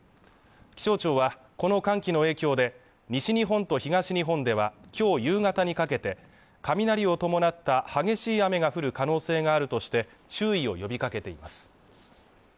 気象庁はこの寒気の影響で西日本と東日本ではきょう夕方にかけて雷を伴った激しい雨が降る可能性があるとして注意を呼びかけています